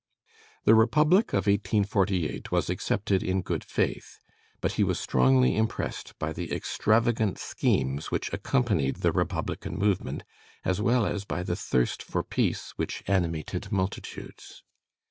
The Republic of 1848 was accepted in good faith; but he was strongly impressed by the extravagant schemes which accompanied the Republican movement, as well as by the thirst for peace which animated multitudes.